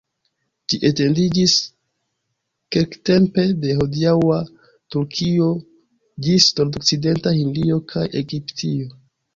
Ĝi etendiĝis kelktempe de hodiaŭa Turkio ĝis nordokcidenta Hindio kaj Egiptio.